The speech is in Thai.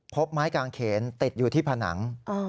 พบไม้กางเขนติดอยู่ที่ผนัง